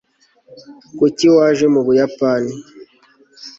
kuki waje mu buyapani